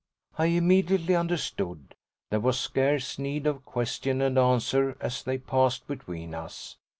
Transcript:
I immediately understood there was scarce need of question and answer as they passed between us.